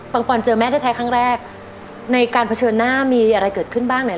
ปอนเจอแม่แท้ครั้งแรกในการเผชิญหน้ามีอะไรเกิดขึ้นบ้างเนี่ย